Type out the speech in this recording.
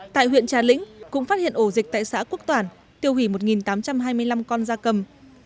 tại huyện trà lĩnh cũng phát hiện ổ dịch tại xã quốc toản tiêu hủy một tám trăm hai mươi năm con da cầm